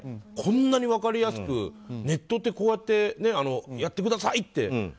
こんなに分かりやすくネットってこうやってやってくださいって